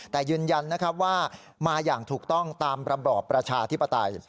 แต่ยืนยันนะครับว่ามาอย่างถูกต้องตามระบอบประชาธิปไตย